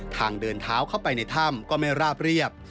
ทางเดินเท้าเข้าไปในถ้ำก็ไม่ราบเรียบ